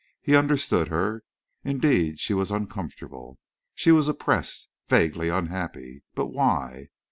He understood her. Indeed she was uncomfortable. She was oppressed, vaguely unhappy. But why?